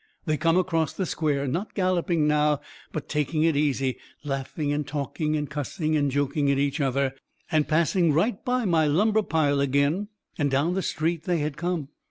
They come across the square not galloping now, but taking it easy, laughing and talking and cussing and joking each other and passed right by my lumber pile agin and down the street they had come.